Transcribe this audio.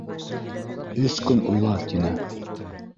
Өс көн уйла, тине.